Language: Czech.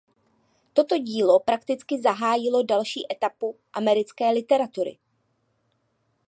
Toto dílo prakticky zahájilo další etapu americké literatury.